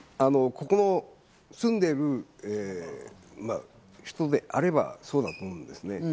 ここに住んでいる人であればそうだと思いますね。